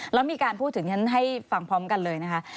แล้วมีการพูดถึงฉันให้ฟังพร้อมกันเลยนะคะ